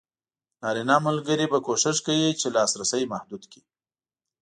نارینه ملګري به کوښښ کوي چې لاسرسی محدود کړي.